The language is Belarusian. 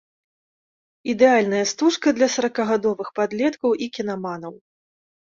Ідэальная стужка для саракагадовых падлеткаў і кінаманаў.